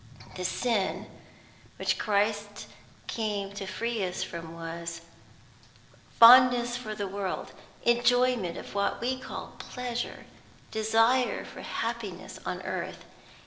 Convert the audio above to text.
The sin which Christ came to free us from was fondness for the world, enjoyment of what we call pleasure, desire for happiness on earth.